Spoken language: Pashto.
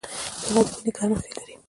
پیاله د مینې ګرمښت لري.